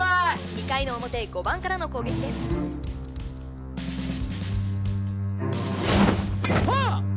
２回の表５番からの攻撃ですファウル！